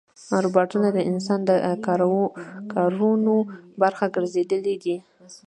روباټونه د انسان د کارونو برخه ګرځېدلي دي.